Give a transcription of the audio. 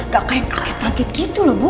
gak kayak kaget kaget gitu loh bu